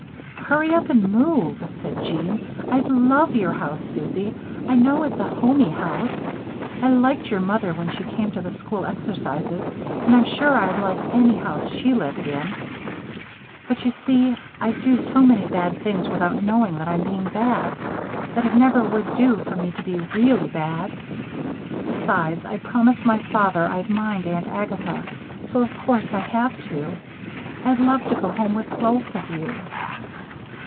"Hurry up and move," said Jeanne. "I'd love your house, Susie. I know it's a home y house. I liked your mother when she came to the school exercises and I'm sure I'd like any house she lived in. But you see, I do so many bad things without knowing that I'm being bad, that it never would do for me to be really bad. Besides I promised my father I'd mind Aunt Agatha, so of course I have to. I'd love to go home with both of you."